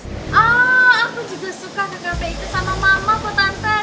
oh aku juga suka gak gape itu sama mama kok tante